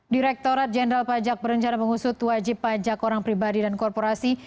direktorat jenderal pajak berencana mengusut wajib pajak orang pribadi dan korporasi